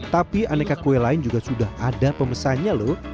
tapi aneka kue lain juga sudah ada pemesannya lho